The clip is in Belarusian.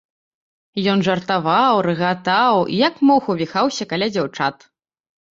Ён жартаваў, рагатаў і як мог увіхаўся каля дзяўчат.